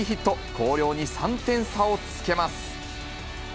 広陵に３点差をつけます。